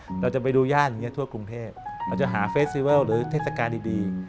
แล้วผมว่าเราจะไปดูย่านอย่างนี้ทั่วครุงเทพก็จะหาเฟสเซิวัลหรือเทศกาลดี